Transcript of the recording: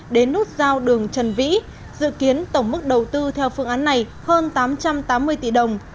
đến nút giao đường trần vĩ dự kiến tổng mức đầu tư theo phương án này hơn tám trăm tám mươi tỷ đồng